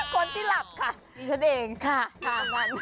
คนที่หลับค่ะฉันเองค่ะ